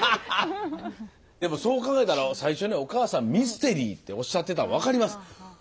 でもそう考えたら最初に「お母さんミステリー」っておっしゃってたの分かります。